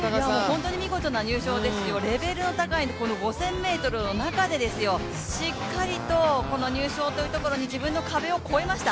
本当に見事な入賞ですよ、レベルの高いこの５０００ｍの中で、しっかりとこの入賞というところに自分の壁を超えました。